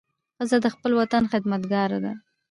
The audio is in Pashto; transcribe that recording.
ښځه د خپل وطن خدمتګاره ده.